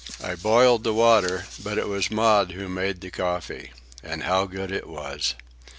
I boiled the water, but it was Maud who made the coffee. And how good it was!